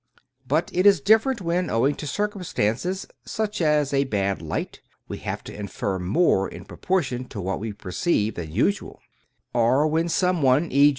But it is different when, owing to circumstances, such as a bad light, we have to infer more in proportion to what we perceive than usual ; or when some one, e.